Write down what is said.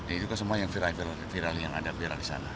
itu semua yang viral yang ada di sana